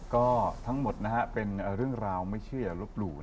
ก็ทั้งหมดน่ะก็คือเรื่องราวไม่เชื่อยารบหลู่